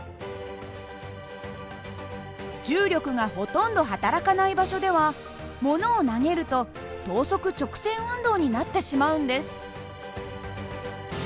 重力がほとんどはたらかない場所ではものを投げると等速直線運動になってしまうんです。